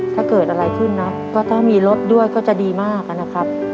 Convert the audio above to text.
ถ้าเกิดอะไรขึ้นนะก็ถ้ามีรถด้วยก็จะดีมากนะครับ